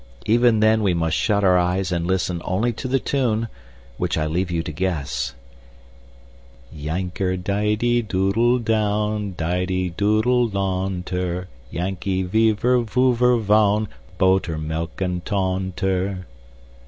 Even then we must shut our eyes and listen only to the tune, which I leave you to guess. Yanker didee dudel down Didee dudel lawnter; Yankee viver, voover, vown, Botermelk and Tawnter!